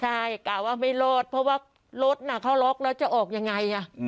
ใช่กะว่าไม่รอดเพราะว่ารถน่ะเขาล็อกแล้วจะออกยังไง